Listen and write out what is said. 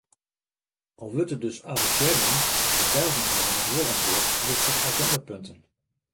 Al wurdt it dus avesearjen, de Belgen hawwe noch wol in pear wichtige agindapunten.